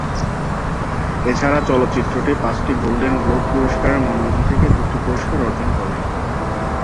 এছাড়া চলচ্চিত্রটি পাঁচটি গোল্ডেন গ্লোব পুরস্কারের মনোনয়ন থেকে দুটি পুরস্কার অর্জন করে।